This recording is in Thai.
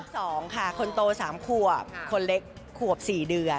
ลูก๒ค่ะคนโต๓ควบคนเล็ก๔เดือน